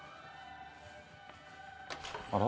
あら？